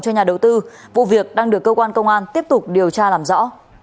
cho nhà đầu tư vụ việc đang được cơ quan công an tiếp tục điều tra làm rõ